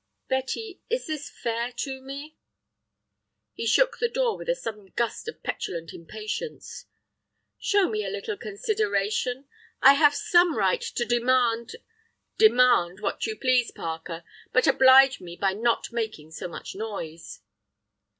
"Betty, is this fair to me?" He shook the door with a sudden gust of petulant impatience. "Show me some little consideration. I have some right to demand—" "Demand what you please, Parker, but oblige me by not making so much noise."